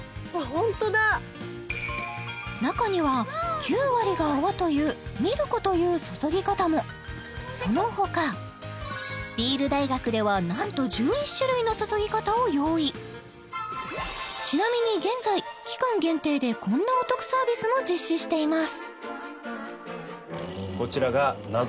ホントだ中には９割が泡というミルコという注ぎ方もこのほか麦酒大学ではなんと１１種類の注ぎ方を用意ちなみに現在期間限定でこんなお得サービスも実施しています